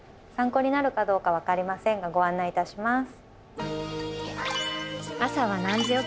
参考になるかどうか分かりませんがご案内いたします。